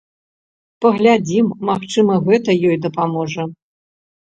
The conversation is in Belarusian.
Паглядзім, магчыма гэта ёй дапаможа.